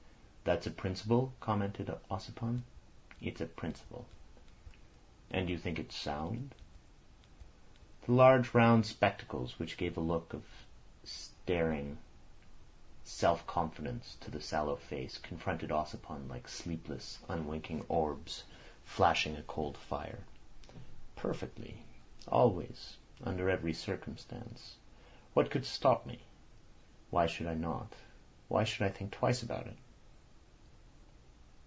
"That's a principle?" commented Ossipon. "It's a principle." "And you think it's sound?" The large round spectacles, which gave a look of staring self confidence to the sallow face, confronted Ossipon like sleepless, unwinking orbs flashing a cold fire. "Perfectly. Always. Under every circumstance. What could stop me? Why should I not? Why should I think twice about it?"